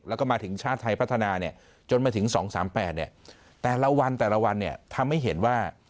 แล้วก็มาถึงชาติไทยพัฒนาเนี่ยจนมาถึง๒๓๘เนี่ยแต่ละวันทำให้เห็นว่า